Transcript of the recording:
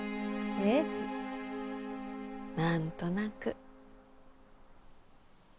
ええ何となく。